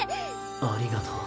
ありがとう。